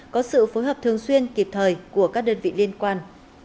có sự phối hợp thường xuyên kịp thời của các đơn vị liên quan